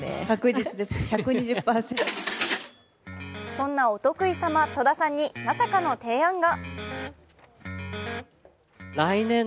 そんなお得意様、戸田さんにまさかの提案が。